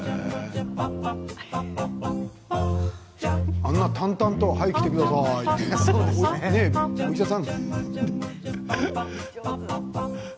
あんな淡々とはい、着てくださいってお医者さん？